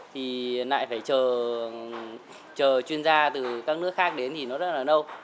thì lại phải chờ chuyên gia từ các nước khác đến thì nó rất là lâu